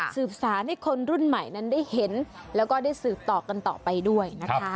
สืบสารให้คนรุ่นใหม่นั้นได้เห็นแล้วก็ได้สืบต่อกันต่อไปด้วยนะคะ